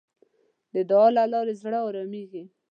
د دعا له لارې زړه آرامېږي.